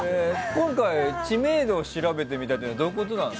今回、知名度を調べてみたというのはどういうことなの？